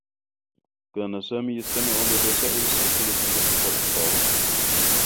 كان سامي يستمع للرّسائل الصّوتيّة التي تلقّاها.